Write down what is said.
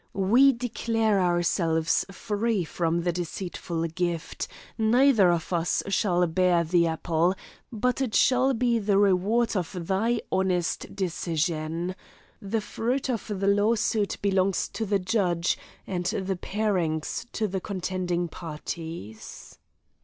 We declare ourselves free from the deceitful gift; neither of us shall bear the apple, but it shall be the reward of thy honest decision. The fruit of the law suit belongs to the judge, and the parings to the contending parties."